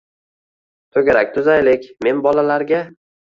«To’garak tuzaylik, men bolalarga